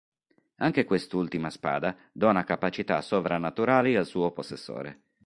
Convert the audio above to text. Anche quest'ultima spada dona capacità sovrannaturali al suo possessore.